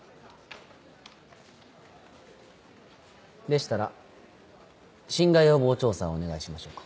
でしたら侵害予防調査をお願いしましょうか。